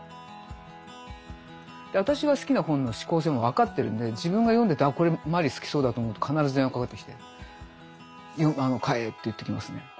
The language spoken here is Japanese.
私が好きな本の嗜好性も分かってるんで自分が読んでて「あこれマリ好きそうだ」と思うと必ず電話かかってきて買えって言ってきますね。